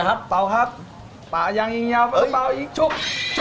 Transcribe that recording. ตาอยังยังเยาว์มากอีกชุก